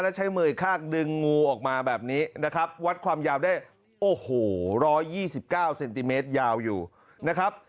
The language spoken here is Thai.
แล้วใช้มืออีกข้างดึงงูออกมาแบบนี้นะครับวัดความยาวได้โอ้โห๑๒๙เซนติเมตรยาวอยู่นะครับ